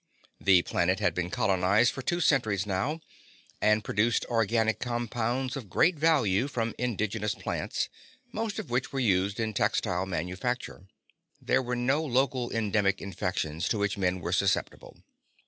The planet had been colonized for two centuries now, and produced organic compounds of great value from indigenous plants, most of which were used in textile manufacture. There were no local endemic infections to which men were susceptible.